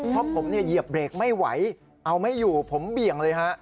เพราะผมเหยียบเบรกไม่ไหวเอาไม่อยู่ผมเบี่ยงเลยฮะ